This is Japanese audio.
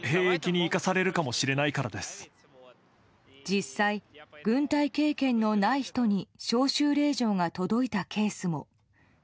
実際、軍隊経験のない人に招集令状が届いたケースも。